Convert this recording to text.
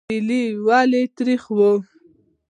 ملی ولې تریخ وي؟